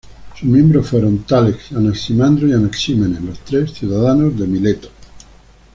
Sus miembros fueron Tales, Anaximandro y Anaxímenes, los tres, ciudadanos de Mileto.